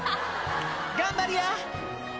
頑張りや！